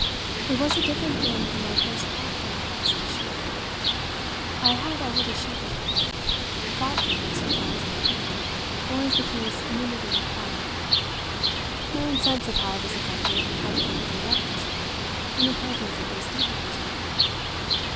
It was a different thing from my first prompt impulse to shield her. I had already shielded her fought for her so far as I could or as the case immediately required. My own sense of how I was affected had practically cleared up, in short, in the presence of this deeper vision of her.